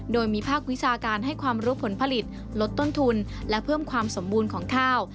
โดยมีภาควิชาการให้ความรู้ผลผลิตลดต้นทุนและเพิ่มความสมบูรณ์ของข้าว